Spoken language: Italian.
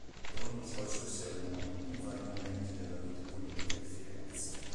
Pronunciò i suoi sermoni in vari momenti della vita politica di Firenze.